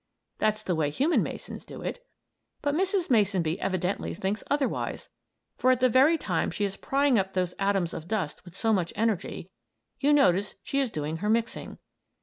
That's the way human masons do it. But Mrs. Mason Bee evidently thinks otherwise, for at the very time she is prying up those atoms of dust with so much energy, you notice she is doing her mixing.